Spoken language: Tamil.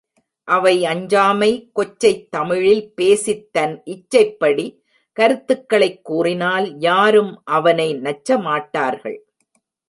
அவை அஞ்சாமை கொச்சைத் தமிழில் பேசித் தன் இச்சைப்படி கருத்துகளைக் கூறினால் யாரும் அவனை நச்சமாட்டார்கள்.